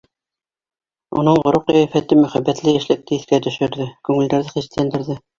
Уның ғорур ҡиәфәте мөхәббәтле йәшлекте иҫкә төшөрҙө, күңелдәрҙе хисләндерҙе...